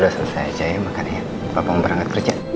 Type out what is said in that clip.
udah selesai aja ya makan ya papa mau berangkat kerja